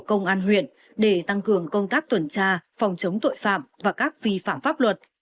công an huyện để tăng cường công tác tuần tra phòng chống tội phạm và các vi phạm pháp luật